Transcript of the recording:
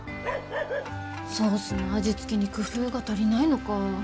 ソースの味付けに工夫が足りないのか。